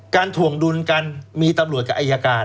ถ่วงดุลกันมีตำรวจกับอายการ